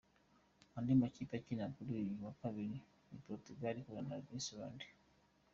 Andi makipe akina kuri uyu wa kabiri ni Portugal ihura na Iceland.